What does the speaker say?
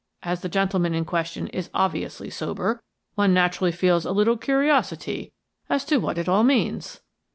As the gentleman in question is obviously sober, one naturally feels a little curiosity as to what it all means."